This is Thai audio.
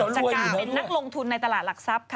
จากการเป็นนักลงทุนในตลาดหลักทรัพย์